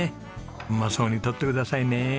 うまそうに撮ってくださいね！